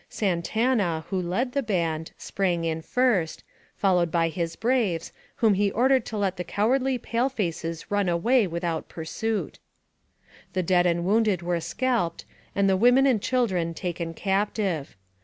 Santana, who led the band, sprang in first, followed by his braves, whom he ordered to let the cowardly pale faces run away without pursuit. The dead and wounded were scalped, and the women and children taken captive.